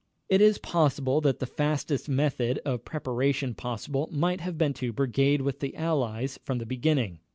It is possible that the fastest method of preparation possible might have been to brigade with the Allies from the beginning.